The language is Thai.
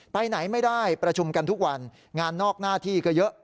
ไปไหนไม่ได้ประชุมกันทุกวันงานนอกหน้าที่ก็เยอะ